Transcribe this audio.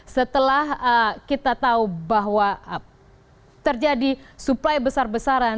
setelah kita tahu bahwa terjadi suplai besar besaran